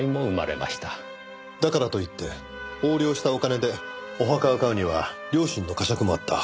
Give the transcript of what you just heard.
だからといって横領したお金でお墓を買うには良心の呵責もあった。